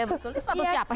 ini sepatu siapa